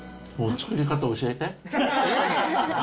作り方教えて。